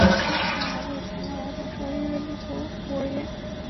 他还为残障儿童设立了一所孤儿院。